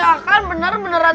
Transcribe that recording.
ya kan bener beneran sakit